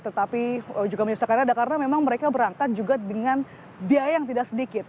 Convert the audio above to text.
tetapi juga menyusahkan ada karena memang mereka berangkat juga dengan biaya yang tidak sedikit